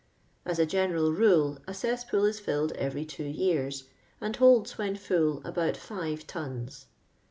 As a general rule, a cesspool is filled every two years, and holds, when ftill, about five tons.